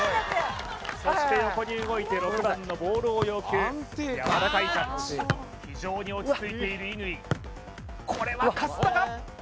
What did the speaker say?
そして横に動いて６番のボールを要求やわらかいタッチ非常に落ち着いている乾これはかすったか？